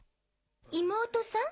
妹さん？